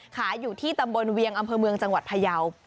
ขายอยู่ที่ตำบลเวียงอำเภอเมืองจังหวัดพยาว